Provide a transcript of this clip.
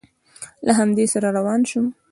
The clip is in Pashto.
له همده سره روان شوم.